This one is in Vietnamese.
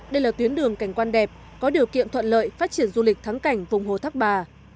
đây là tuyến đường cảnh quan đẹp có điều kiện thuận lợi phát triển du lịch thắng cảnh vùng hồ thác bà